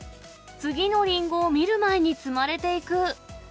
次のりんごを見る前に積まれていく。